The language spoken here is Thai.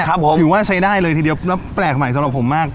ถือว่าใช้ได้เลยทีเดียวแล้วแปลกใหม่สำหรับผมมาก